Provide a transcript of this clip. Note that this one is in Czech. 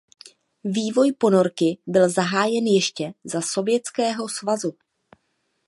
Vývoj ponorky byl zahájen ještě za Sovětského svazu.